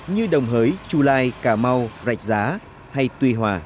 như đồng hới chu lai cà mau rạch giang